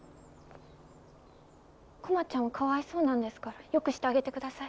駒ちゃんはかわいそうなんですからよくしてあげてください。